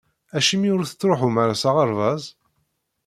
Acimi ur tettruḥum ara s aɣerbaz?